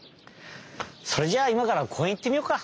それじゃいまからこうえんいってみようか。